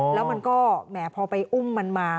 แล้วมันก็แหมพอไปอุ้มมันมา